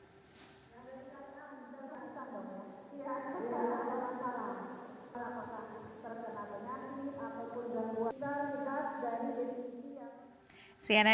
dengan generasi muda berkualitas dalam menyongsong bonus demografi dan revolusi industri empat